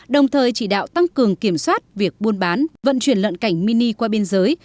đồng thời chỉ đạo tăng cường kiểm soát việc buôn bán vận chuyển lợn cảnh mini qua biên giới